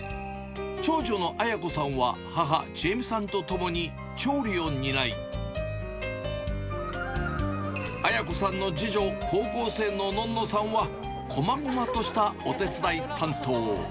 長女の紋子さんは母、智恵美さんと共に調理を担い、紋子さんの次女、高校生ののんのさんは、こまごまとしたお手伝い担当。